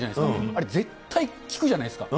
あれ、絶対効くじゃないですか。